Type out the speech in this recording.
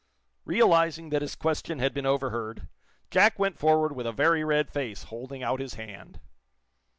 Realizing that his question had been overheard, Jack went forward with a very red face, holding out his hand.